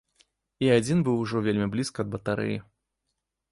І адзін быў ужо вельмі блізка ад батарэі.